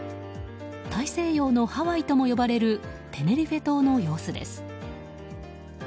大西洋のハワイとも呼ばれるテネリフェ島の様子です。